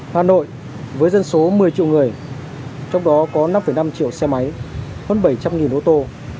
hà nội với dân số một mươi triệu người trong đó có năm năm triệu xe máy hơn bảy trăm linh ô tô